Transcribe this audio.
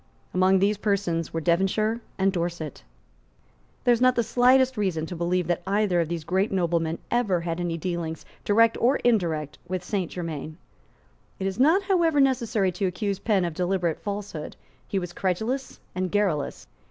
Among these persons were Devonshire and Dorset. There is not the slightest reason to believe that either of these great noblemen ever had any dealings, direct or indirect, with Saint Germains. It is not, however, necessary to accuse Penn of deliberate falsehood. He was credulous and garrulous.